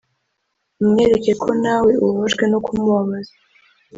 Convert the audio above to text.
umwereke ko nawe ubabajwe no kumubabaza